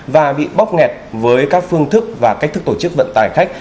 và bị bóp nghẹt với các phương thức và cách thức tổ chức vận tải khách